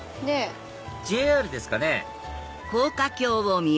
ＪＲですかね